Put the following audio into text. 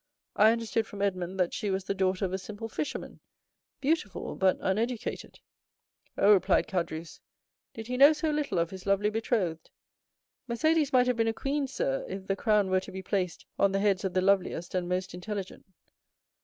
I understood from Edmond that she was the daughter of a simple fisherman, beautiful but uneducated." "Oh," replied Caderousse, "did he know so little of his lovely betrothed? Mercédès might have been a queen, sir, if the crown were to be placed on the heads of the loveliest and most intelligent.